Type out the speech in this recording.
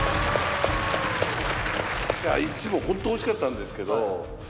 １もホント美味しかったんですけど。